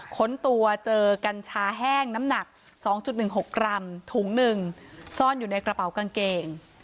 ค้นตัวเจอกัญชาแห้งน้ำหนัก๒๑๖กรัมถุงหนึ่งซ่อนอยู่ในกระเป๋ากางเกง